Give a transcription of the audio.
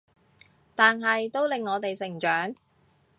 但係都令我哋成長